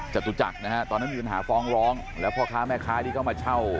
จตุจักรนะฮะตอนนั้นมีปัญหาฟ้องร้องแล้วพ่อค้าแม่ค้าที่เข้ามาเช่า